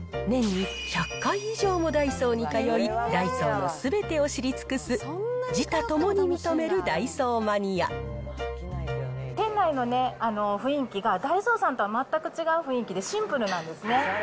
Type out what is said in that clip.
年に１００回以上もダイソーに通い、ダイソーのすべてを知り尽くす自他ともに認めるダイソーマニ店内のね、雰囲気がダイソーさんとは全く違う雰囲気で、シンプルなんですね。